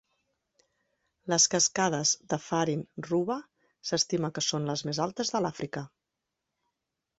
Les cascades de Farin Ruwa s'estima que són les més altes de l'Àfrica.